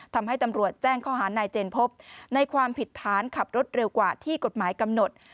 ทำให้ตำรวจแจ้งข้อหานายเจนพบในความผิดฐานขับรถเร็วกว่าที่กฎหมายกำหนด